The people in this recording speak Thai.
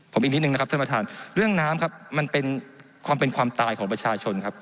ผมอีกนิดนึงนะครับท่านประธานเรื่องน้ำครับมันเป็นความเป็นความตายของประชาชนครับ